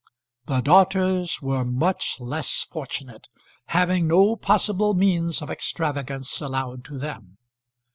The daughters were much less fortunate, having no possible means of extravagance allowed to them.